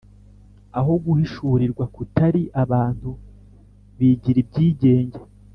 aho guhishurirwa kutari abantu bigira ibyigenge